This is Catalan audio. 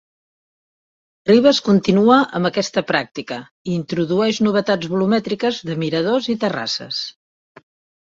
Ribes continua amb aquesta pràctica, i introdueix novetats volumètriques de miradors i terrasses.